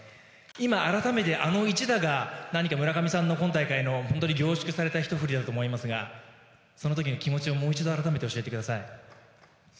今、改めてあの一打が何か村上さんの今大会の凝縮されたひと振りだと思いますがその時の気持ちをもう一度改めて教えてください。